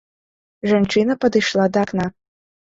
Жанчына падышла да акна.